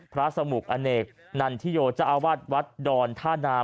สมุกอเนกนันทิโยเจ้าอาวาสวัดดอนท่านาม